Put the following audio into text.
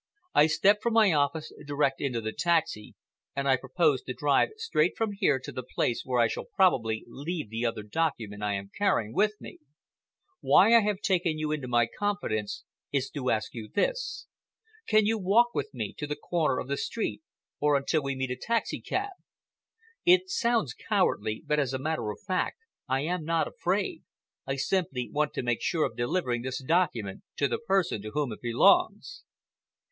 I stepped from my office direct into the taxi, and I proposed to drive straight from here to the place where I shall probably leave the other document I am carrying with me. Why I have taken you into my confidence is to ask you this. Can you walk with me to the corner of the street, or until we meet a taxicab? It sounds cowardly, but, as a matter of fact, I am not afraid. I simply want to make sure of delivering this document to the person to whom it belongs."